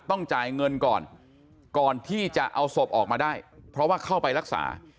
ต้องจ่ายเงินก่อนก่อนที่จะเอาศพออกมาได้เพราะว่าเข้าไปรักษา